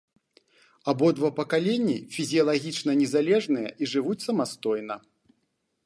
Абодва пакаленні фізіялагічна незалежныя і жывуць самастойна.